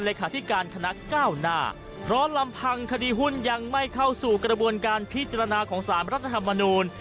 ที่การคณะก้าวหน้าเพราะลำพังคดีหุ้นยังไม่เข้าสู่กระบวนการพิจารณาของสารรัฐธรรมนูล